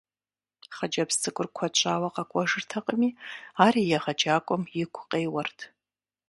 Хъыджэбз цӀыкӀур куэд щӏауэ къэкӀуэжыртэкъыми, ар и егъэджакӀуэм игу къеуэрт.